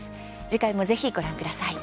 次回もぜひ、ご覧ください。